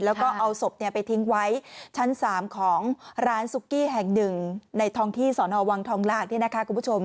แล้วก็เอาศพไปทิ้งไว้ชั้น๓ของร้านสุกี้แห่งหนึ่งในท้องที่สนวังทองหลาง